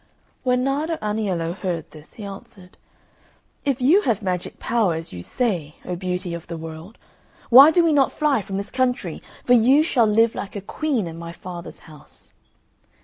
When Nardo Aniello heard this, he answered, "If you have magic power, as you say, O beauty of the world, why do we not fly from this country? For you shall live like a queen in my father's house."